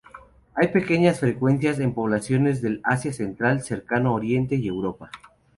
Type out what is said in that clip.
Hay pequeñas frecuencias en poblaciones del Asia Central, Cercano Oriente y Europa.